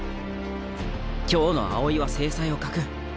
今日の青井は精彩を欠く。